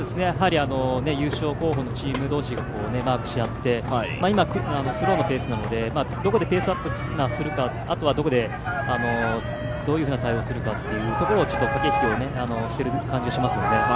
優勝候補のチーム同士がまーくし合って今、スローのペースなので、どこでペースアップするか、あとはどこでどういう対応をするか駆け引きをしている感じがしますね。